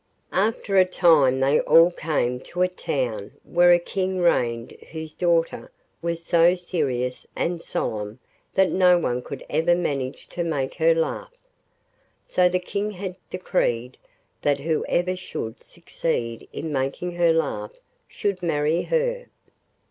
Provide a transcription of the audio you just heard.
After a time they all came to a town where a King reigned whose daughter was so serious and solemn that no one could ever manage to make her laugh. So the King had decreed that whoever should succeed in making her laugh should marry her.